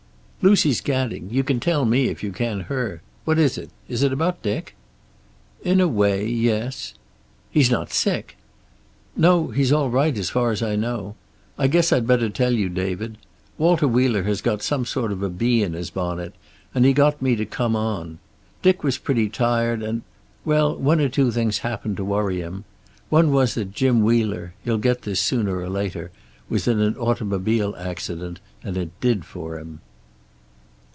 "Lucy's gadding. You can tell me if you can her. What is it? Is it about Dick?" "In a way, yes." "He's not sick?" "No. He's all right, as far as I know. I guess I'd better tell you, David. Walter Wheeler has got some sort of bee in his bonnet, and he got me to come on. Dick was pretty tired and well, one or two things happened to worry him. One was that Jim Wheeler you'll get this sooner or later was in an automobile accident, and it did for him."